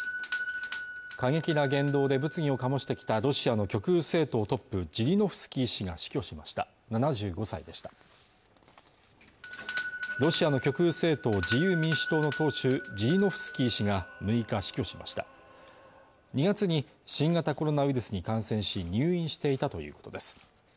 過激な言動で物議を醸してきたロシアの極右政党トップジリノフスキー氏が死去しました７５歳でしたロシアの極右政党自由民主党の党首ジリノフスキー氏が６日死去しました２月に新型コロナウイルスに感染し入院していたということです